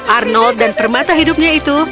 arnold dan permata hidupnya itu